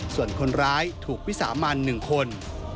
ส่วนคนร้ายถูกวิสามัน๑คน